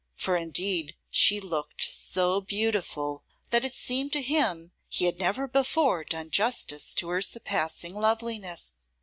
For, indeed, she looked so beautiful that it seemed to him he had never before done justice to her surpassing loveliness.